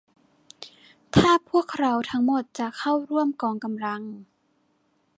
ถ้าพวกเราทั้งหมดจะเข้าร่วมกองกำลัง